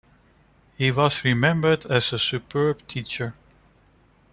He was remembered as a superb teacher.